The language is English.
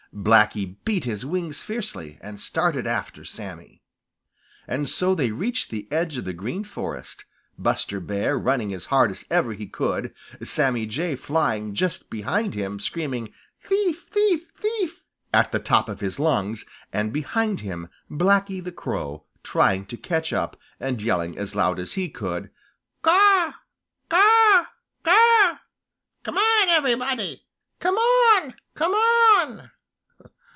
Blacky beat his wings fiercely and started after Sammy. And so they reached the edge of the Green Forest, Buster Bear running as hard as ever he could, Sammy Jay flying just behind him and screaming, "Thief, thief, thief!" at the top of his lungs, and behind him Blacky the Crow, trying to catch up and yelling as loud as he could, "Caw, caw, caw! Come on, everybody! Come on! Come on!"